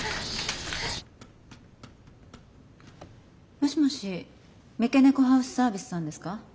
もしもし三毛猫ハウスサービスさんですか？